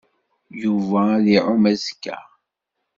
Yuba ad iɛum azekka.